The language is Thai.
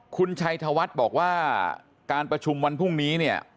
คุณชัยธวัฒน์บอกว่าการประชุมวันพรุ่งนี้เนี่ย